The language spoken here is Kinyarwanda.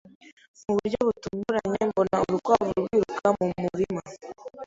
Mu buryo butunguranye, mbona urukwavu rwiruka mu murima.